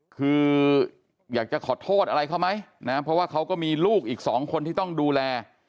คืออยากจะขอโทษอะไรเขาไหมนะเพราะว่าเขาก็มีลูกอีกสองคนที่ต้องดูแล